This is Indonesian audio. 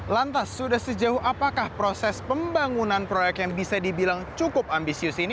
lantas sudah sejauh apakah proses pembangunan proyek yang bisa dibilang cukup ambisius ini